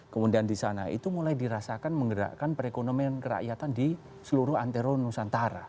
kemudian di sana itu mulai dirasakan menggerakkan perekonomian kerakyatan di seluruh antero nusantara